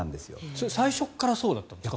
それは最初からそうだったんですか？